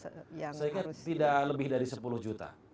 saya kira tidak lebih dari sepuluh juta